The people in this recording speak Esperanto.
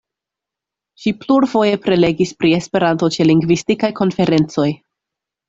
Ŝi plurfoje prelegis pri Esperanto ĉe lingvistikaj konferencoj.